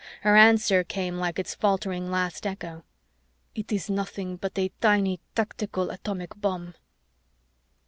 Her answer came like its faltering last echo. "It is nothing but a tiny tactical atomic bomb."